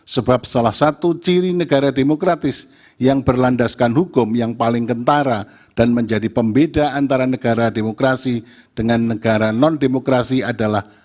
sebab salah satu ciri negara demokratis yang berlandaskan hukum yang paling kentara dan menjadi pembeda antara negara demokrasi dengan negara non demokrasi adalah